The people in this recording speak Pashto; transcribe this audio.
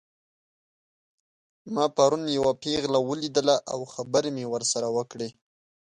ما پرون یوه پیغله ولیدله او خبرې مې ورسره وکړې